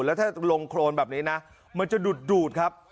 แล้วถ้าลงโครนแบบนี้นะมันจะดูดครับ